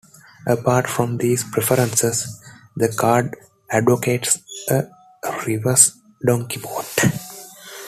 Apart from these preferences, the card advocates a reverse Donkey Vote.